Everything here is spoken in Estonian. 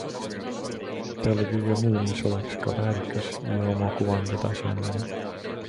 Peale kõige muu, mis oleks ka väärikas ja oma kuvand edasi andmine.